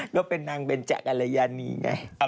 เราเป็นนางเป็นจักรรยัณร์นี้ไง